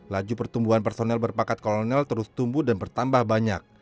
laju pertumbuhan personel berpakat kolonel terus tumbuh dan bertambah banyak